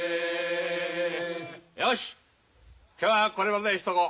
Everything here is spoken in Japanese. よし今日はこれまでにしとこう。